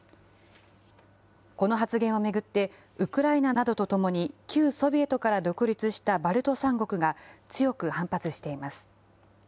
この発言を巡って、ウクライナなどとともに旧ソビエトから独立したバルト三国が、強く反発しています。